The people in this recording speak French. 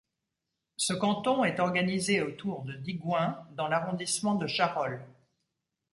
Ce canton est organisé autour de Digoin dans l'arrondissement de Charolles.